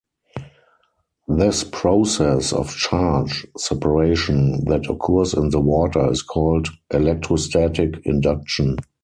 This process of charge separation that occurs in the water is called "electrostatic induction".